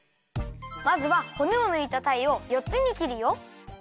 まずはほねをぬいたたいをよっつに切るよ。